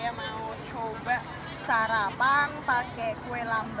oke saya mau coba sarapan pakai kue lamber